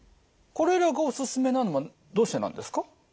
これらがおすすめなのはどうしてなんですか？